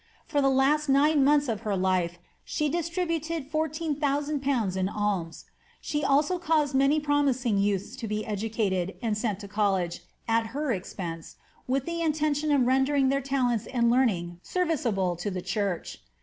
For the last nine months of her life she distributed 14,000/. in alms; she also caused many promising youtlis to be educated, and sent to college, at her expense, with the intention of rendering their talents and leamiog serviceable in the church.'